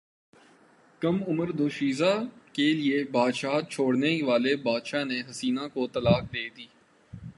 کم عمر دوشیزہ کیلئے بادشاہت چھوڑنے والے بادشاہ نے حسینہ کو طلاق دیدی